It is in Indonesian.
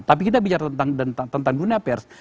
tapi kita bicara tentang guna pers